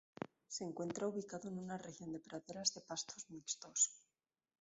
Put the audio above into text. Se encuentra ubicado en una región de praderas de pastos mixtos.